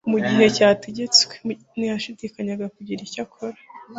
Mu gihe cyategetswe ntiyashidikanyaga kugira icyo akora.